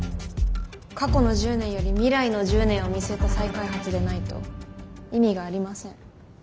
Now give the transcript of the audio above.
過去の１０年より未来の１０年を見据えた再開発でないと意味がありません。